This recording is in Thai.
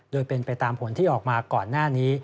โดยเป็นไปตามผลที่ออกมาก่อนหน้านี้